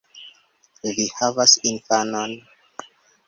Vi havas infanon!